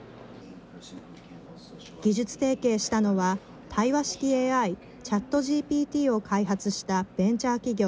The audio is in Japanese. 技術提携したのは対話式ＡＩＣｈａｔＧＰＴを開発したベンチャー企業。